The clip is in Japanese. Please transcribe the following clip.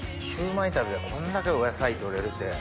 シューマイ食べたらこんだけお野菜取れるって。